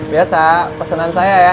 biasa pesenan saya ya